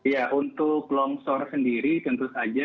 ya untuk longsor sendiri tentu saja